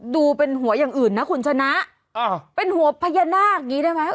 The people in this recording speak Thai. ดูเป็นหัวอย่างอื่นนะคุณชนะเป็นหัวพญานาคอย่างนี้ได้ไหม